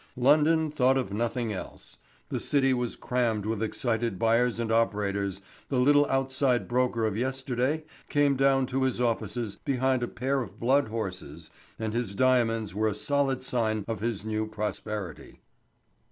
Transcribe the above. London thought of nothing else. The City was crammed with excited buyers and operators, the little outside broker of yesterday came down to his offices behind a pair of blood horses, and his diamonds were a solid sign of his new prosperity.